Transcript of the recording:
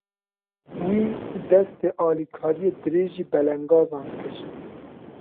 Wî, destê alîkariyê dirêjî belengazan kir.